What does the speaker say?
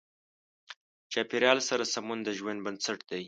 چاپېریال سره سمون د ژوند بنسټ دی.